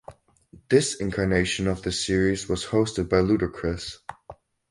This incarnation of the series was hosted by Ludacris.